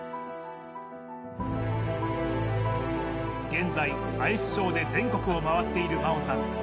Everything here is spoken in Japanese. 現在、アイスショーで全国を回っている真央さん。